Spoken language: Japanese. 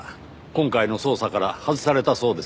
今回の捜査から外されたそうですね。